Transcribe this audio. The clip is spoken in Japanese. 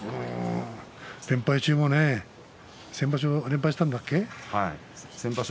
連敗中も先場所は連敗したんだっけ？